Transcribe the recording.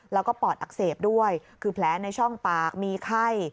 แล้วก็ปอดอักเสบด้วยคือแผลในช่องปากมีไข้